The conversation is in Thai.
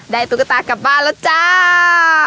ตุ๊กตากลับบ้านแล้วจ้า